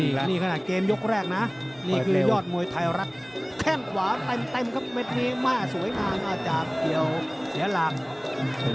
นี่ขนาดเกมยกแรกนะนี่คือยอดมวยไทยรัฐแข้งขวาเต็มครับเม็ดนี้แม่สวยงามอาจารย์เกี่ยวเสียหลัก